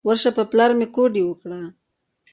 ورشه په پلار مې کوډې وکړه.